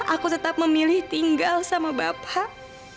aku tetap memilih tinggal sama bapak